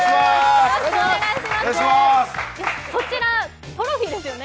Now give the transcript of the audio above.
そちらトロフィーですよね。